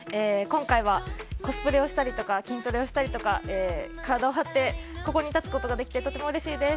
今回はコスプレをしたりとか筋トレをしたりとか体を張ってここに立つことができてとてもうれしいです。